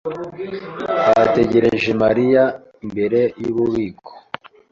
yategereje Mariya imbere yububiko.